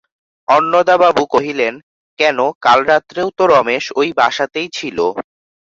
অন্নদাবাবু কহিলেন, কেন, কাল রাত্রেও তো রমেশ ঐ বাসাতেই ছিল।